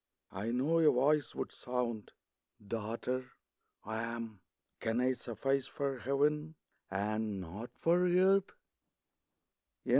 I know a Voice would sound, " Daughter, I AM. Can I suffice for Heaven, and not for earth